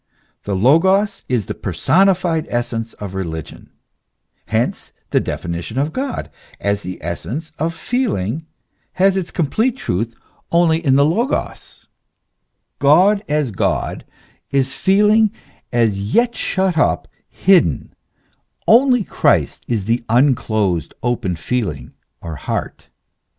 The Logos is the personified essence of religion. Hence the definition of God as the essence of feeling, has its complete truth only in the Logos. Th. xvi. p. 490. THE MYSTEKY OF THE CHRISTIAN CHRIST. 143 God as God is feeling as yet shut up, hidden; only Christ is the unclosed, open feeling or heart.